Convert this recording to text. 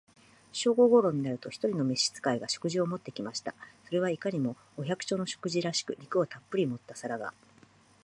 正午頃になると、一人の召使が、食事を持って来ました。それはいかにも、お百姓の食事らしく、肉をたっぶり盛った皿が、